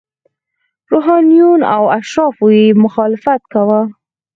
روحانینو او اشرافو یې مخالفت کاوه.